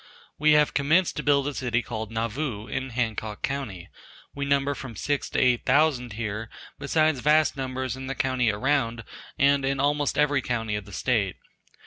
We have commenced to build a city called "Nauvoo" in Hancock co., we number from six to eight thousand here besides vast numbers in the county around and in almost every county of the state.